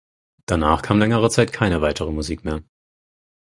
Danach kam längere Zeit keine weitere Musik mehr.